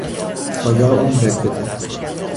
خدا عمرت بده!